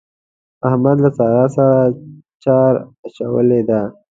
احمد له سارا سره چار اچولی دی.